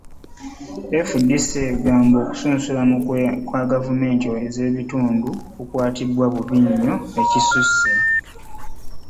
FDC egamba okusunsulamu okwa gavumenti ez'ebitundu kukwatiddwa bubi nnyo ekisusse